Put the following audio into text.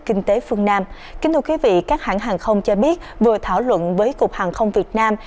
kinh tế phương nam các hãng hàng không cho biết vừa thảo luận với cục hàng không việt nam